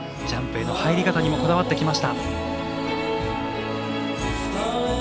ジャンプへの入り方にもこだわってきました。